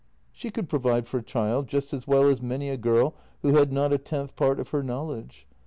She could provide for a child just as well as many a girl who had not a tenth part of her knowledge.